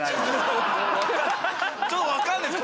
ちょっと分かんないです